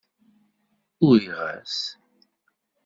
Uriɣ-as.